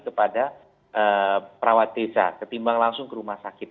kepada perawat desa ketimbang langsung ke rumah sakit